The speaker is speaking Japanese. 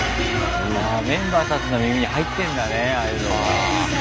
メンバーたちの耳に入ってんだねああいうのが。